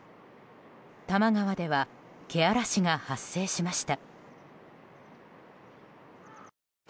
多摩川ではけあらしが発生しました。